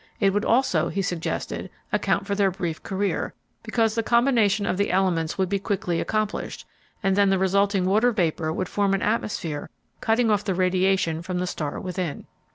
It would also, he suggested, account for their brief career, because the combination of the elements would be quickly accomplished, and then the resulting water vapor would form an atmosphere cutting off the radiation from the star within.